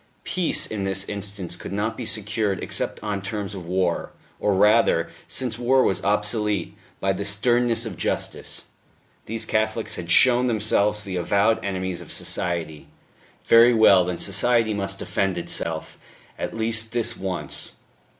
Peace, in this instance, could not be secured except on terms of war or rather, since war was obsolete by the sternness of justice. These Catholics had shown themselves the avowed enemies of society; very well, then society must defend itself, at least this once.